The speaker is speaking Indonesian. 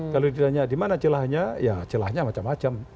kalau ditanya di mana celahnya ya celahnya macam macam